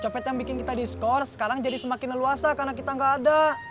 copet yang bikin kita diskor sekarang jadi semakin leluasa karena kita nggak ada